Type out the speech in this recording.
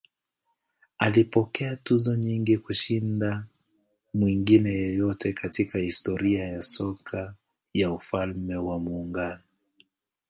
Alipokea tuzo nyingi kushinda mwingine yeyote katika historia ya soka ya Ufalme wa Muungano.